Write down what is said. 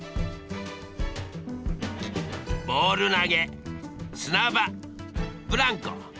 ボール投げ砂場ブランコ。